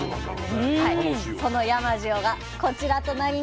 その山塩がこちらとなります。